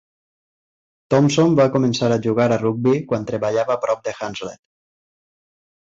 Thompson va començar a jugar a rugbi quan treballava a prop de Hunslet.